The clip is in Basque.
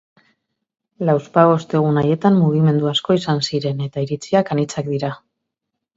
Lauzpabost egun haietan mugimendu asko izan ziren, eta iritziak anitzak dira.